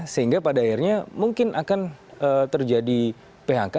sehingga pada akhirnya mungkin akan terjadi phk